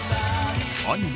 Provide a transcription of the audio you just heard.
アニメ